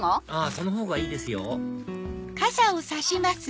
その方がいいですよ